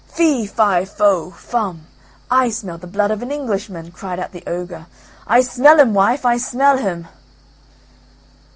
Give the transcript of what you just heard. "Fee fi fo fum, I smell the blood of an Englishman," cried out the ogre; "I smell him, wife, I smell him."